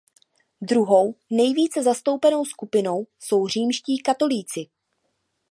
Druhou nejvíce zastoupeno skupinou jsou římští katolíci.